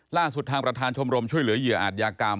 ทางประธานชมรมช่วยเหลือเหยื่ออาจยากรรม